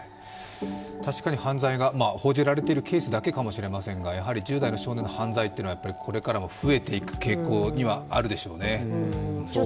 確かに犯罪が報じられているケースだけかもしれませんがやはり１０代の少年の犯罪というのはこれから増えていく傾向にあるでしょうね。